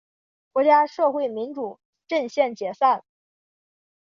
国家社会民主阵线解散。